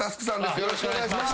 よろしくお願いします。